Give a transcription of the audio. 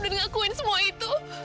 dan ngakuin semua itu